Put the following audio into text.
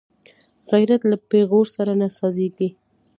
غیرت له پېغور سره نه سازېږي